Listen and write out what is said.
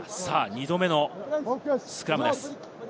２度目のスクラムです。